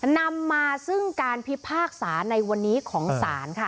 นำมาซึ่งการพิพากษาในวันนี้ของศาลค่ะ